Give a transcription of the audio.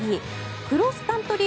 クロスカントリー